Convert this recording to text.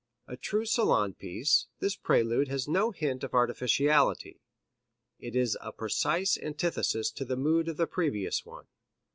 A true salon piece, this prelude has no hint of artificiality. It is a precise antithesis to the mood of the previous one.